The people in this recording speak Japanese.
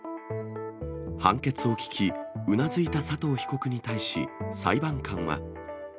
判決を聞き、うなずいた佐藤被告に対し、裁判官は。